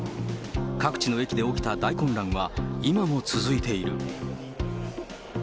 各地の駅で起きた大混乱は、今も続いている。